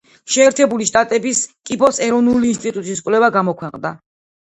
შეერთებული შტატების კიბოს ეროვნული ინსტიტუტის კვლევა გამოქვეყნდა.